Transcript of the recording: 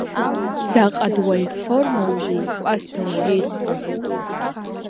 Заҟа дуаҩ формоузеи, Кәасҭа уҳәеит ҳәа!